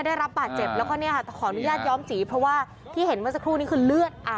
ได้รับบาดเจ็บแล้วก็เนี่ยค่ะแต่ขออนุญาตย้อมสีเพราะว่าที่เห็นเมื่อสักครู่นี้คือเลือดอาบ